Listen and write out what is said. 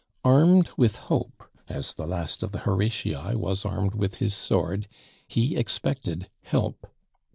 Armed with hope, as the last of the Horatii was armed with his sword, he expected help.